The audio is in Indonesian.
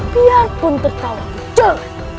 biarpun tertawa bujelek